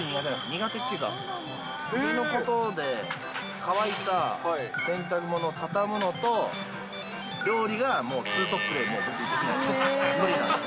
苦手っていうか、家のことで乾いた洗濯物畳むのと、料理がもう２トップでもう無理なんです。